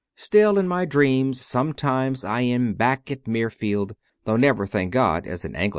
Still, in my dreams sometimes I am back at Mirfield, though never, thank God, as an Anglican!